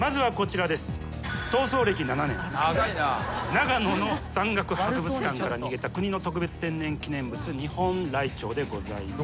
長野の山岳博物館から逃げた国の特別天然記念物ニホンライチョウでございます。